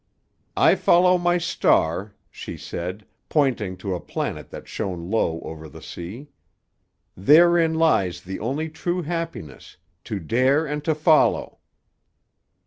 "'I follow my star,' she said, pointing to a planet that shone low over the sea. 'Therein lies the only true happiness; to dare and to follow.